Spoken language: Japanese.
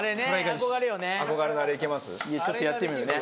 ちょっとやってみるね。